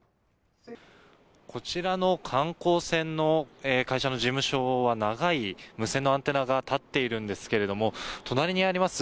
こちらの観光船の会社の事務所は長い無線のアンテナが立っているんですけれども、隣にあります